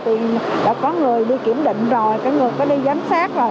thì đã có người đi kiểm định rồi người ta đi giám sát rồi